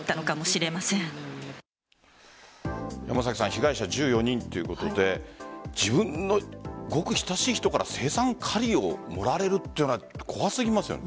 被害者１４人ということで自分の、ごく親しい人から青酸カリを盛られるというのは怖すぎますね。